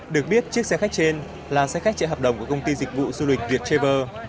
được biết chiếc xe khách trên là xe khách chạy hợp đồng của công ty dịch vụ du lịch việt traver